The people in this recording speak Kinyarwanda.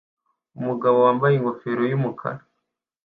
Umugabo wambaye ingofero yumukara